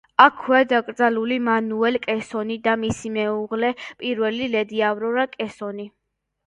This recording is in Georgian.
აქვეა დაკრძალული მანუელ კესონი და მისი მეუღლე, პირველი ლედი ავრორა კესონი.